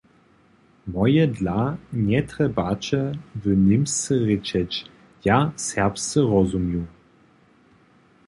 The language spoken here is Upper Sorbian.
Mojedla njetrjebaće wy němsce rěčeć, ja serbsce rozumju.